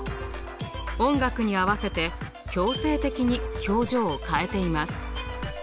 音楽に合わせて強制的に表情を変えています。